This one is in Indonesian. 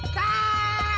aku juga nggak tau